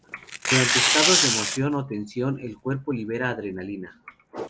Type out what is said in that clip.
Durante estados de emoción o tensión, el cuerpo libera adrenalina.